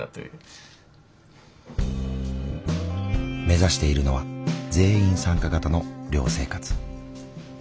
目指しているのは全員参加型の寮生活。